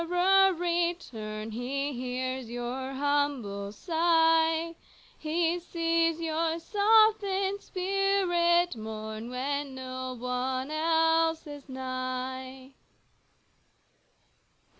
return ; He hears your humble sigh : He sees your softened spirit mourn, When no one else is nigh.